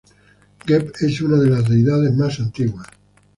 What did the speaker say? Geb es una de las deidades más antiguas.